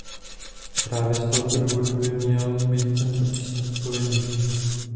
Právě z toho důvodu by měl být tento přístup povinný.